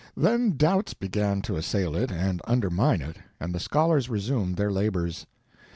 Then doubts began to assail it and undermine it, and the scholars resumed their labors.